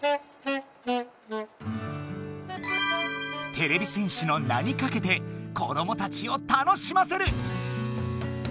てれび戦士の名にかけて子どもたちを楽しませる！